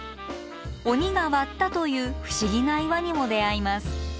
鬼が割ったという不思議な岩にも出会います。